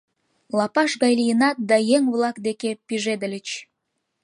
Лапаш гай лийынат да еҥ-влак деке пижедыльыч.